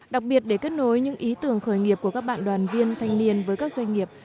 đặc biệt để kết nối những ý tưởng khởi nghiệp của các bạn đoàn viên thanh niên với các doanh nghiệp